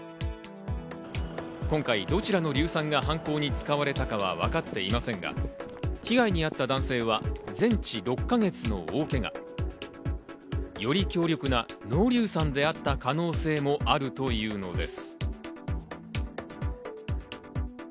今回、どちらの硫酸が犯行に使われたかは分かっていませんが、被害に遭った男性は全治６か月の大けが。より強力な濃硫酸であった可能性もあるというのです。